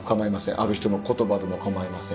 ある人の言葉でも構いません。